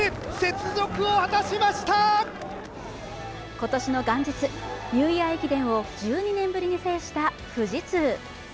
今年の元日、ニューイヤー駅伝を１２年ぶりに制した富士通。